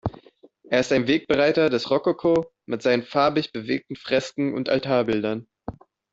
Er ist ein Wegbereiter des Rokoko mit seinen farbig bewegten Fresken und Altarbildern.